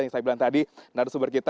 yang saya bilang tadi narasumber kita